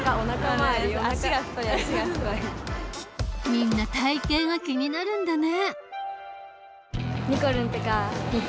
みんな体型が気になるんだね。